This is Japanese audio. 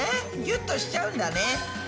ぎゅっとしちゃうんだね。